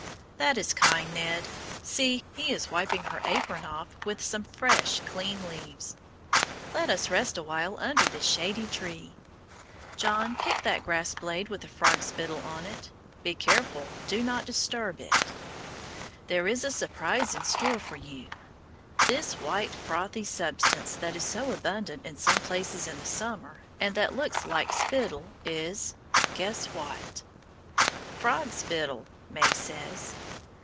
That is kind, Ned. See, he is wiping her apron off with some fresh, clean leaves. Let us rest awhile under this shady tree. John, pick that grass blade with the frog spittle on it. Be careful not to disturb it. There is a surprise in store for you; this white frothy substance that is so abundant in some places in the summer and that looks like spittle is guess what? Frog spittle, May says.